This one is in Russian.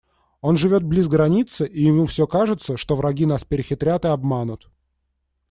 Он живет близ границы, и ему все кажется, что враги нас перехитрят и обманут.